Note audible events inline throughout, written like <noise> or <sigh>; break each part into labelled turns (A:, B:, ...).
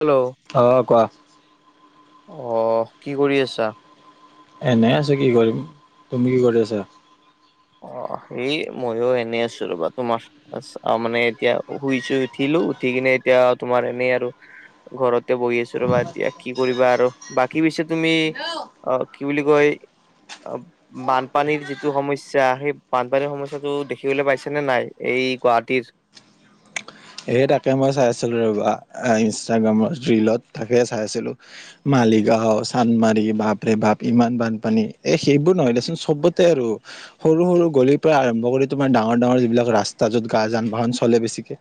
A: Hello
B: অ কোৱা
A: অঁ কি কৰি আছা?
B: এনেই আছো কি কৰিম, তুমি কি কৰি আছা।
A: অ সেই মইয়ো এনেই আছো ৰবা তোমাৰ। মানে এতিয়া শুইছো উঠিলো উঠি কিনে এতিয়া তোমাৰ এনেই আৰু ঘৰতে বহি আছো ৰবা এতিয়া কি কৰিবা আৰু বাকী পিছে তুমি। অ কি বুলি কয় অ বানপানীৰ যিটো সমস্যা সমস্যা সেই বানপানীৰ সমস্যাটো দেখিবলৈ পাইছে নে নাই এই গুৱাহাটীত
B: সেয়ে তাকে মই চাই আছিলোঁ ৰবা ইনষ্টাগ্ৰামত ৰিলত তাকে চাই আছিলোঁ। মালিগাঁও, চান্দমাৰি বাপ ৰে বাপ ইমান বানপানী এ সেইবোৰ নহয় দেচোন চবতে আৰু সৰু-সৰু গলিৰ পৰা আৰম্ভ কৰি তোমাৰ ডাঙৰ-ডাঙৰ যিবিলাক ৰাস্তা য'ত গা যান-বাহন চলে বেছিকে।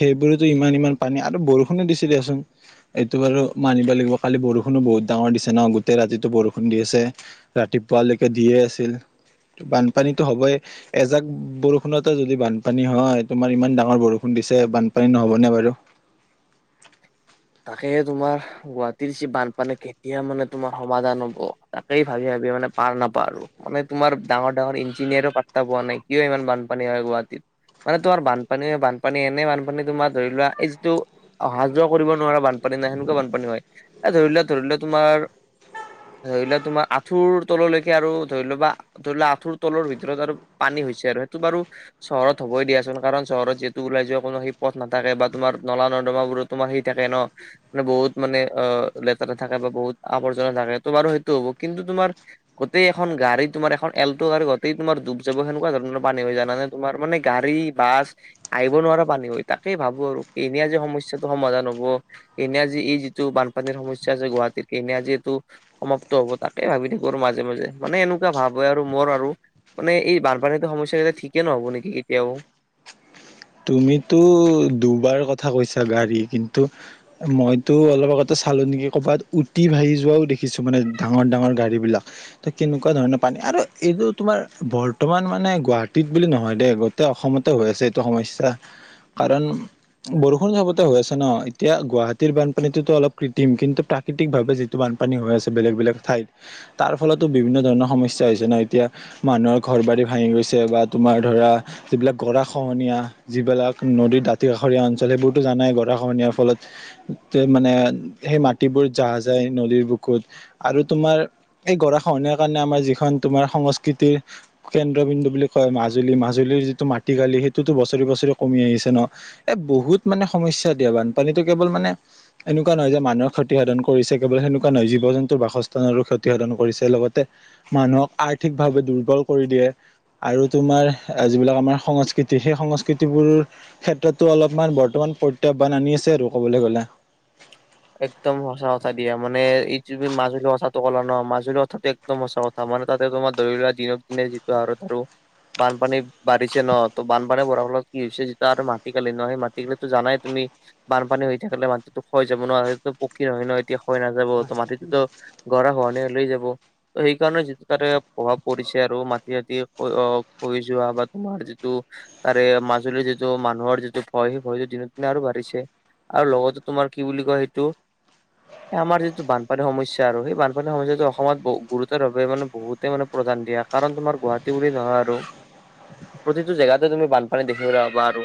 B: সেইবোৰতো ইমান-ইমান পানী আৰু বৰষুণো দিছিল দিয়াচোন। এইটো বাৰু মানিব লাগিব কালি বৰষুণো বহুত ডাঙৰ দিছে ন গোটেই ৰাতিতো বৰষুণ দি আছে। ৰাতিপুৱালৈকে দিয়ে আছিল। বানপানীটো হবই এজাক বৰষুণতে যদি বানপানী হয় তোমাৰ ইমান ডাঙৰ বৰষুণ বৰষুণ দিছে বানপানী নহ'বনে বাৰু
A: তাকেহে তোমাৰ গুৱাহাটীৰ যি বানপানী কেতিয়া মানে তোমাৰ সমাধান হ'ব তাকেই ভাবি-ভাবি মানে পাৰ নাপাওঁ আৰু। মানে তোমাৰ ডাঙৰ-ডাঙৰ ইঞ্জিনিয়াৰো পাৰ্তা পোৱা নাই কিয় ইমান বানপানী হয় গুৱাহাটীত। মানে তোমাৰ বানপানী-বানপানী এনে বানপানী তোমাৰ ধৰি লোৱা এই যিটো অহা যোৱা কৰিব, নোৱাৰা বানপানী নাই সেনেকুৱা বানপানী হয় ধৰি লোৱা ধৰি লোৱা তোমাৰ ধৰি লোৱা তোমাৰ আঁঠুৰ তললৈকে আৰু ধৰি লোৱা বা ধৰি লোৱা আঁঠুৰ তলৰ ভিতৰত আৰু পানী হৈছে আৰু সেইটো বাৰু চহৰত হবই দিয়াচোন কাৰণ চহৰত যিহেতু ওলাই যোৱা কোনো সেই পথ নাথাকে বা তোমাৰ নলা-নৰ্দমাবোৰো তোমাৰ সেই থাকে ন মানে বহুত মানে অ লেতেৰা থাকে বা বহুত আৱৰ্জনা থাকে তোমাৰো সেইটো হ'ব কিন্তু তোমাৰ গোটেইখন গাড়ী তোমাৰ এল্ট গাড়ী গোটেই তোমাৰ ডুব যাব সেনেকুৱা ধৰণৰ পানী হৈ যানানে? তোমাৰ মানে গাড়ী, বাছ আহিব নোৱাৰা পানী হৈ তাকেই ভাবো আৰু কেতিয়া যে সমস্যাটো সমাধান হ'ব। হ'ব, এনেই আজি এই যিটো বানপানীৰ সমস্যা আছে গুৱাহাটীত এনে আজি এইটো - সমাপ্ত হ'ব তাকেই ভাবি থাকোঁ আৰু মাজে-মাজে মানে এনেকুৱা ভাৱ হয় আৰু মোৰ আৰু মানে এই বানপানীতটো সমস্যা কেইটা ঠিকেইে নহ'ব নেকি কেতিয়াও?
B: তুমিতো দুবাৰ কথা কৈছা গাড়ী কিন্তু মইতো অলপ আগতে চালো নেকি ক'ৰবাত উটি ভাহি যোৱাও দেখিছোঁ মানে ডাঙৰ ডাঙৰ গাড়ীবিলাক। ত কেনেকুৱা ধৰণৰ পানী আৰু এইটো তোমাৰ বৰ্তমান মানে গুৱাহাটীত বুলি নহয় দেই অসমতে হৈ আছে এইটো সমস্যা কাৰণ বৰষুণ চবতে হৈ আছে ন এতিয়া গুৱাহাটীৰ বানপানীতো অলপ কৃত্ৰিম কিন্তু প্ৰাকৃতিকভাৱে যিটো বানপানী হৈ আছে বেলেগ-বেলেগ ঠাইত তাৰ ফলতো বিভিন্ন ধৰণৰ সমস্যা হৈছে ন এতিয়া, মানুহৰ ঘৰ বাৰী ভাঙি গৈছে বা তোমাৰ ধৰা যিবিলাক গৰা-খহনীয়া যিবিলাক নদীৰ দাঁতি কাষৰীয়া অঞ্চল সেইবোৰতো জানাই গৰাখহনীয়াৰ ফলত মানে সেই মাটিবোৰ যাহ যায় নদীৰ বুকুত আৰু তোমাৰ এই গৰাখহনীয়াৰ কাৰণে আমাৰ যিখন তোমাৰ সংস্কৃতিৰ কেন্দ্ৰবিন্দু বুলি কয় মাজুলী, মাজুলীৰ যিটো মাটি কালি সেইটোতো ব বছৰি বছৰি কমি আহিছে ন, এ বহুত মানে সমস্যা দিয়া। বানপানীতটো কেৱল মানে এনেকুৱা নহয় যে মানুহৰ ক্ষতিসাধন কৰিছে কেৱল সেনেকুৱা নহয়, জীৱ জন্তুৰ বাসস্থানৰো ক্ষতি সাধন কৰিছে। লগতে মানুহক আৰ্থিকভাৱে দুৰ্বল কৰি দিয়ে। আৰু তোমাৰ যিবিলাক আমাৰ সংস্কৃতি সেই সংস্কৃ কৃতিবোৰ ক্ষেত্ৰতো অলপমান বৰ্তমান প্ৰত্যাহ্বান আনি আছে আৰু ক'বলৈ গ'লে।
A: একদম সঁচা কথা দিয়া, মানে এই য মাজুলীৰ কথাটো ক'লা ন মাজুলী কথাটো একদম সঁচা কথা। তাৰমানে তাতে তোমাৰ ধৰি লোৱা দিনক দিনে যিটো আৰুত আৰু বানপানী বাঢ়িছে ন ত বানপানী বঢ়াৰ ফলত কি হৈছে যেতিয়া আৰু মাটি কালি ন, সেই মাটি কালিতো জানাই তুমি। বানপানী হৈ থাকিলে মাটিতটো ক্ষয় যাব ন সো পকী নহয় নয় এতিয়া ক্ষয় নাযাব। ত মাটিটোতো গৰা খহনীয়া লৈ যাব। সেইকাৰণে যিটো তাতে প্ৰভাৱ পৰিছে আৰু মাটি চতি খহি যোৱা বা তোমাৰ যিটো তাৰে মাজুলীৰ যিটো মানুহৰ যিটো ভয় সেই ভয়টো দিন দিনে আৰু বাঢ়িছে। আৰু লগতে তোমাৰ কি বুলি কয় সেইটো। এই আমাৰ যিটো বানপানী সমস্যা আৰু সেই বানপানী সমস্যাটো অসমত বহু গুৰুতৰ ভাৱে মানে বহুত তে মানে প্ৰধান দিয়া, কাৰণ তোমাৰ গুৱাহাটী বুলি নহয় আৰু। প্ৰতিটো জেগাতে তুমি বানপানী দেখিবলে পাবা আৰু।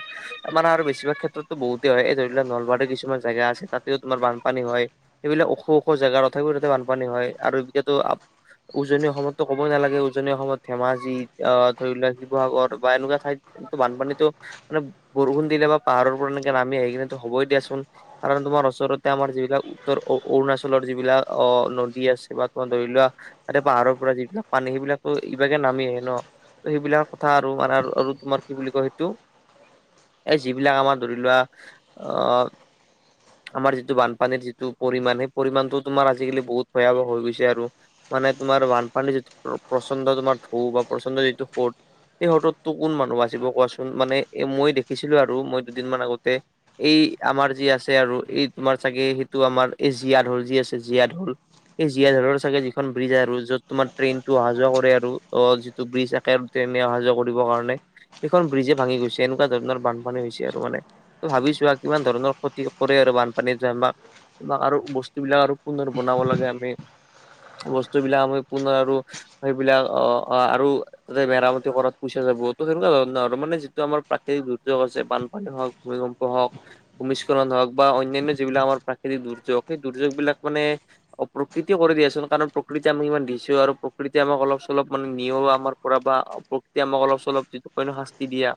A: মানে আৰু বেছিভাগ ক্ষেত্ৰতো বহুতে হয় এই ধৰি লওক নলবাৰীৰ কিছুমান জেগা আছে তাতেও তোমাৰ বানপানী হয়। এইবিলাক ওখ ওখ জেগা তথাপিও তাতে বানপানী হয়, আৰু এতিয়াটো উজনি অসমততো ক'বই নালাগে, উজনি অসমত ধেমাজি আ ধৰি লোৱাক শিৱসাগৰ বা এনেকুৱা ঠাইত কিন্তু বানপানীটো মানে বৰষুণ দিলে বা পাহাৰৰ পৰা এনেকে নামি আহি কিনেটো হ'বই দিয়াচোন। কাৰণ তোমাৰ ওচৰতে আমাৰ যিবিলাক উত্তৰ অ-অৰুণাচলৰ যিবিলাক অ নদী আছে বা তোমাৰ ধৰি লোৱা তাৰে পাহাৰৰ পৰা যিবিলাক পানী, সেইবিলাকো ইভাগে নামি আহে ন। ত' সেইবিলাক কথা আৰু মানে আৰু তোমাৰ কি বুলি কয় সেইটো। এই যিবিলাক আমাৰ ধৰি লোৱা অ আমাৰ যিটো বানপানীৰ যিটো পৰিমাণ, সেই পৰিমাণটো তোমাৰ আজিকালি বহুত ভয়াৱহ হৈ গৈছে আৰু। মানে তোমাৰ বানপানীৰ যিটো প্ৰচণ্ড তোমাৰ ঢৌ বা প্ৰচণ্ড যিটো সুত সেই সোঁতত টো কোন মানুহ বাচিব কোৱাচোন, মানে এ মই দেখিছিলো আৰু মই দুদিনমান আগতে এই আমাৰ যি আছে আৰু এই তোমাৰ চাগে সেইটো আমাৰ এই জীয়া ঢল যি আছে জীয়া ঢল। এই জীয়া ঢলৰ চাগে যিখন ব্ৰিজ আৰু য'ত তোমাৰ ট্ৰেইন টো অহা যোৱা কৰে আৰু, অ যিটো ব্ৰিজ ট্ৰেইনটো এনেই অহা যোৱা কৰিবৰ কাৰণে এইখন ব্ৰিজে ভাঙি গৈছে, এনেকুৱা ধৰণৰ বানপানী হৈছে আৰু মানে, ত' ভাবিছোৱা কিমান ধৰণৰ সুত কৰে আৰু বানপানী যে আমাক আৰু বস্তু বিলাক আৰু পুনৰ বনাব লাগে আমি বস্তু বিলাক আমি পুনৰ আৰু সেইবিলাক অ আ আৰু তাতে মেৰামতি কৰাত পইচা যাব, ত' সেনেকুৱা ধৰণৰ আৰু মানে যিটো আমাৰ প্ৰাকৃতিক দুৰ্যোগ আছে বানপানী হওঁক ভূমিকম্প হওক ভূমিচ <unintelligible> হওঁক, বা অন্যান্য যিবিলাক আমাৰ প্ৰাকৃতিক দুৰ্যোগ সেই দুৰ্যোগবিলাক মানে অ', প্ৰকৃতিয়ে কৰে দিয়াচোন, কাৰণ প্ৰকৃতি আমি ইমান দিছো আৰু প্ৰকৃতি আমাক অলপ চলপ মানে নিয়েও আমাৰ কৰা বা প্ৰকৃতি আমাক অলপ চলপ যিটো কয় ন শাস্তি দিয়া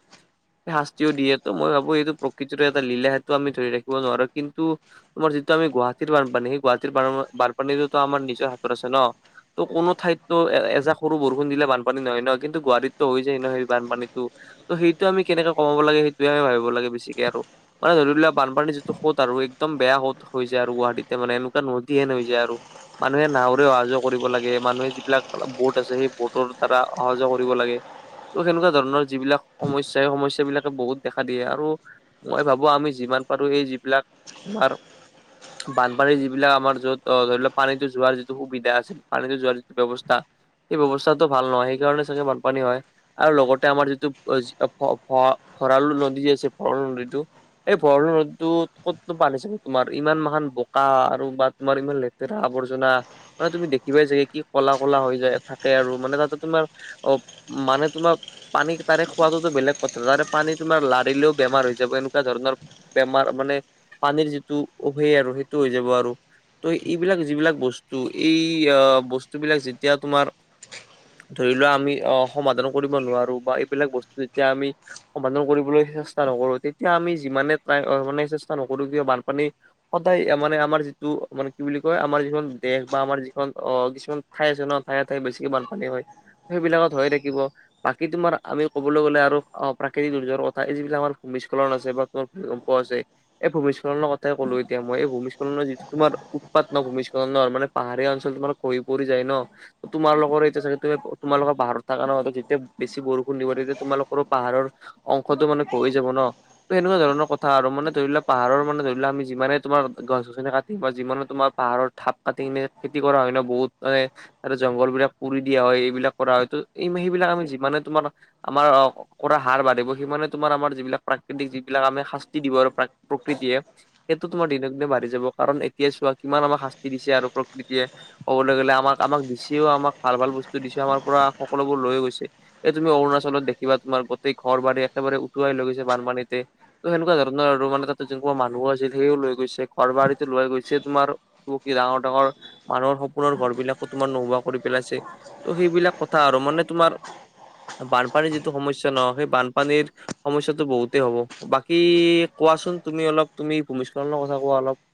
A: শাস্তিও দিয়েটো মই ভাবো এইটো প্ৰকৃতিৰে এটা লীলা সেইটো আমি ধৰি ৰাখিব নোৱাৰো, কিন্তু তোমাৰ যিটো আমি গুৱাহাটীৰ বানপানী, সেই গুৱাহাটীৰ বানপানীতোটো আমাৰ নিজৰ হাতত আছে ন। ত' কোনো ঠাইততো এজাক সৰু বৰষুণ দিলে বানপানী নহয় ন, কিন্তু গুৱাহাটীতটো হৈ যায় ন সেই বানপানীতো। ত' সেইটো আমি কেনেকে কমাব লাগে, সেইটোহে আমি ভাবিব লাগে বেছিকে আৰু। মানে ধৰি লোৱা বানপানীৰ যিটো সোত আৰু একদম বেয়া সোত হৈ যায় আৰু গুৱাহাটীতে মানে এনেকুৱা নদীহেন হৈ যায় আৰু। মানুহে নাওৰেও অহা যোৱা কৰিব লাগে, মানুহে যিবিলাক ব'ট আছে সেই ব'টৰ দ্বাৰা অহা যোৱা কৰিব লাগে। ত' সেনেকুৱা ধৰণৰ যিবিলাক সমস্যা সেই সমস্যা বিলাকে বহুত দেখা দিয়ে আৰু মই ভাবো আমি যিমান পাৰো এই যিবিলাক তোমাৰ বানপানীৰ যিবিলাক আমাৰ য'ত অ ধৰি ওলোৱা পানীটো যোৱাৰ যিটো সুবিধা আছে, পানীটো যোৱাৰ যিটো ব্যৱস্থা সেই ব্যৱস্থাটো ভাল নহয়, সেইকাৰণে চাগে বানপানী হয়। আৰু লগতে আমাৰ যিটো <unintelligible> ভঁৰালো নদীটো যে আছে ভঁৰলো নদীটো এই ভৰলো নদীটো ক'তনো পানীছোন তোমাৰ ইমান মান বোকা আৰু বা তোমাৰ ইমান লেট তেৰা আৱৰ্জনা মানে তুমি দেখিবাই চাগে কি ক'লা-ক'লা হৈ যায় থাকে আৰু মানে তাতে তোমাৰ অ', মানে তোমাক পানী তাৰে খোৱাটোতো বেলেগ কথা, তাৰে পানী তোমাৰ লাৰিলেও বেমাৰ হৈ যাব এনেক কুৱা ধৰণৰ বেমাৰ মানে পানীৰ যিটো উভে আৰু সেইটো হৈ যাব আৰু। ত' এইবিলাক যিবিলাক বস্তু, এই বস্তুবিলাক যেতিয়া তোমাৰ ধৰি লোৱা আমি অ সমাধান কৰিব নোৱাৰো, বা এইবিলাক বস্তু যেতিয়া আমি সমাধান কৰিবলৈ চেষ্টা নকৰো, তেতিয়া আমি যিমানে মানে চেষ্টা নকৰো কিয় বানপানী সদায় মানে আমাৰ যিটো মানে কি বুলি কয় আমাৰ যিখন দেশ বা আমাৰ যিখন অ কিছুমান ঠাই আছে ন, ঠায়ে- ঠায়ে বেছিকে বানপানী হয়, সেইবিলাকত হৈয়ে থাকিব। বাকী তোমাৰ আমি ক'বলৈ গ'লে আৰু অ', প্ৰাকৃতিক দুৰ্যোগৰ কথা এই যিবিলাক আমাৰ বিছ <unintelligible> আছে, বা তোমাৰ ভূমিকম্প আছে। এই ভূমিস্খলনৰ কথাই ক'লো এতিয়া মই এই ভূমিস্খলনৰ যিটো তোমাৰ উৎপাত ন' ভূমিস্খলনৰ মানে পাহাৰেয়া অঞ্চল তোমাৰ খহী পৰি যায় ন'। তোমালোকৰ এতিয়া চাগে তোমালোকৰ পাহাৰত থাকা ন' ত'যেতিয়া বেছি বৰষুণ নিব তেতিয়া তোমালোকৰো পাহাৰৰ অংশটো মানে খহি যাব ন। ত' এনেকুৱা ধৰণৰ কথা আৰু মানে ধৰি লোৱা পাহাৰৰ মানে ধৰি লোৱা আমি যিমানে তোমাৰ গছ গছনি কাটিম বা যিমানে তোমাৰ পাহাৰৰ থাপ কাটি কিনে খেতি কৰা হয় ন, বহুত মানে আৰু জংঘল বিলাক পুৰি দিয়া হয় এইবিলাক কৰা হয় ত'এই ম সী বিলাক আমি যিমানে তোমাৰ আমাৰ অ, কৰা হাৰ বঢ়িব সিমানে তোমাৰ আমাৰ যিবিলাক প্ৰাকৃতিক যিবিলাক আমি শাস্তি দিব আৰু প্ৰকৃতিয়ে সেইটো তোমাৰ দিনক দিনে বাঢ়ি যাব কাৰণ এতিয়া চোৱা কিমান আমাক শাস্তি দিছে আৰু প্ৰকৃতিয়ে। ক'বলৈ গ'লে আমাক -আমাক দিছেও আমাক ভাল -ভাল বস্তু দিছে আমাৰ পৰা সকলোবোৰ লৈ গৈছে। এই তুমি অৰুণাচলত দেখিবা তোমাৰ গোটেই ঘৰ বাৰী একেবাৰে উটুৱাই লৈ গৈছে বানপানীতে। ত' সেনেকুৱা ধৰণৰ আৰু মানে তাতে জোনহোপা মানুহো আছিল সেইও লৈ গৈছে ঘৰ বাৰীটো লৈ গৈছে তোমাৰ ক'ব কি ডাঙৰ -ডাঙৰ মানুহৰ সপোনৰ ঘৰ বিলাকো তোমাৰ নোহোৱা কৰি পেলাইছে। ত' সেইবিলাক কথা আৰু মানে তোমাৰ বানপানীৰ যিটো সমস্যা ন' সেই বানপানীৰ সমস্যা টো বহুতেই হ'ব বাকী কোৱাচোন তুমি অলপ তুমি ভূমিস্খলনৰ কথা কোৱা অলপ?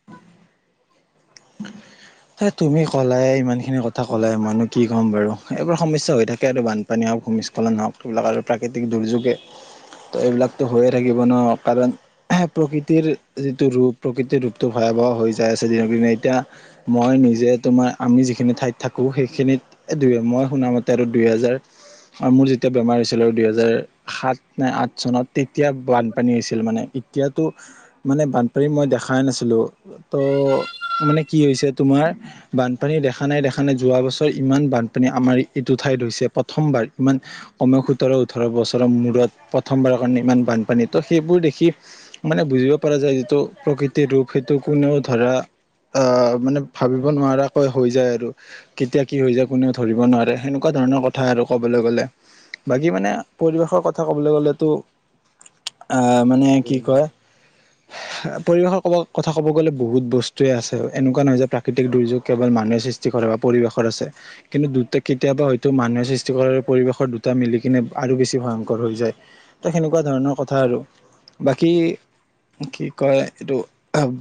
A: <inaudible>
B: তে তুমি ক'লাই ইমান খিনি কথা কলাই মই নোঁ কি ক'ম বাৰু এইবোৰ সমস্যা হৈ থাকে আৰু বান পানী হওক ভূমস্খলন হওক সেইবিলাক আৰু প্ৰাকৃতিক দুৰ্যোগে। ত'এইবিলাকতো হৈয়ে থাকিব ন' কাৰণ <unintelligible> প্ৰকৃতিৰ যিটো ৰূপ প্ৰকৃতিৰ ৰূপটো ভয়াৱহ হৈ যায় আছে দিনক দিনে এতিয়া মই নিজে তোমাৰ আমি যিখিনি ঠাইত থাকো সেইখিনিত এ দুয়ে মই শুনামতে আৰু দুই হেজাৰ আৰু মোৰ যেতিয়া বেমাৰ হৈছিল আৰু দুই হেজাৰ সাত নে আঠ চনত তেতিয়া বানপানী হৈছিল মানে এতিয়াতো মানে বানপানী মই দেখাই নাছিলো ত' মানে কি হৈছে তোমাৰ বানপানী দেখা নাই -দেখা নাই যোৱা বছৰ ইমান বানপানী আমাৰ এইটো ঠাইত হৈছে প্ৰথমবাৰ ইমান কমেও সোতৰ ওঠৰ বছৰৰ মূৰত প্ৰথমবাৰৰ কাৰণে ইমান বানপানী ত' সেইবোৰ দেখি- মানে বুজিব পাৰা যায় যিটো প্ৰকৃতিৰ ৰূপ সেইটো কোনেও ধৰা আহ, মানে ভাবিব নোৱাৰাকৈ হৈ যায় আৰু। কেতিয়া কি হৈ যায় কোনেও ধৰিব নোৱাৰে সেনেকুৱা ধৰণৰ কথা আৰু কবলৈ গ'লে। বাকী মানে পৰিৱেশৰ কথা কবলৈ গলেতো আহ, মানে কি কয় পৰিৱেশৰ ক'ব কথা ক'ব গলে বহুত বস্তু টোৱে আছে এনেকুৱা নহয় যে প্ৰাকৃতিক দুৰ্যোগ কেৱল মানুহে সৃষ্টি কৰে বা পৰিৱেশৰ আছে কিন্তু দুটা কেতিয়াবা হয়তো মানুহে সৃষ্টি কৰা পৰিৱেশৰ দুটা মিলি কিনে আৰু বেছি ভয়ংকৰ হৈ যায়। ত'সেনেকুৱা ধৰণৰ কথা আৰু বাকী কি কয় এইটো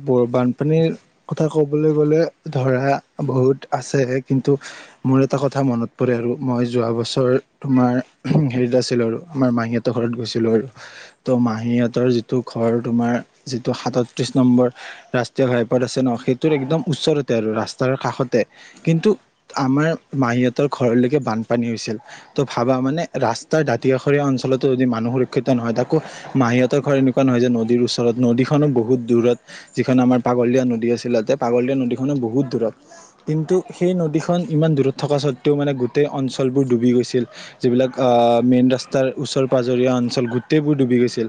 B: ব বানপানীৰ কথা ক'বলৈ গলে ধৰা বহুত আছে কিন্তু মোৰ এটা কথা মনত পৰে আৰু মই যোৱা বছৰ তোমাৰ হেৰিত আছিল আৰু আমাৰ মাহীত হতৰ ঘৰত গৈছিলো আৰু ত' মাহীঁতৰ যিটো ঘৰ তোমাৰ যিটো সাতত্ৰিছ নম্বৰ ৰাষ্ট্ৰীয় ঘাই পথ আছে ন'সেইটোৰ একদম ওচৰতে আৰু ৰাস্তাৰ কাষতে কিন্তু আমাৰ মাহীঁহতৰ ঘৰলৈকে বানপানী হৈছিল। ত' ভাবা মানে ৰাস্তাৰ দাঁতিকাখৰীয়া অঞ্চলতো যদি মানুহ সুৰক্ষিত নহয় তাকো মাহীঁহতৰ ঘৰ এনেকুৱা নহয় যে নদীৰ ওচৰত নদীখনো বহুত দূৰত যিখন আমাৰ পাক পাগলদিয়া নদী আছিল তাতে পাগলদিয়া নদীখনো বহুত দূৰত। কিন্তু সেই নদীখন ইমান দূৰত থকা স্বত্ত্বেও মানে গোটেই অঞ্চলবোৰ ডুবি গৈছিল। যিবিলাক আহ মেইন ৰাস্তাৰ ওচৰ পাজৰীয়া অঞ্চল গোটেইবোৰ ডুবি গৈছিল।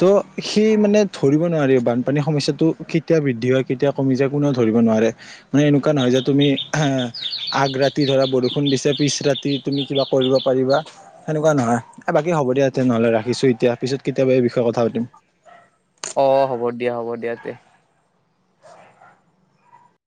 B: ত' সি মানে ধৰিব নোৱাৰি বানপানীৰ সমস্যাটো কেতিয়া বৃদ দ্ধি হয় কেতিয়া কমি যায় কোনেও ধৰিব নোৱাৰে। মানে এনেকোৱা নহয় যে তুমি আহ আগ ৰাতি ধৰা বৰষুণ দিছে পিছ ৰাতি- তুমি কিবা কৰিব পাৰিবা। সেনেকোৱা নহয় এ বাকী হ'ব দিয়া এতিয়া নহলে ৰাখিছো এতিয়া পিছত কেতিয়াবা এই বিষয়ে কথা পাতিম।
A: অ, হ'ব দিয়া- হ'ব দিয়া তে।